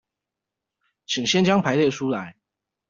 請先將排列出來